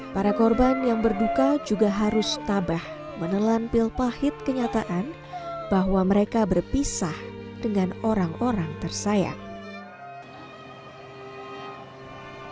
para korban yang berduka juga harus tabah menelan pil pahit kenyataan bahwa mereka berpisah dengan orang orang tersayang